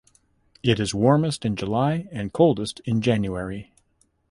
It is warmest in July and coldest in January.